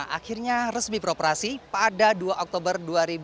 akhirnya resmi beroperasi pada dua oktober dua ribu dua puluh